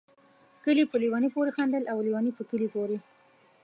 کلي په ليوني پوري خندل ، او ليوني په کلي پوري